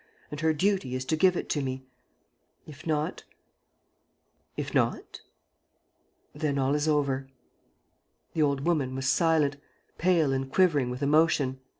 And her duty is to give it to me. ... If not ..." "If not ...?" "Then all is over." The old woman was silent, pale and quivering with emotion.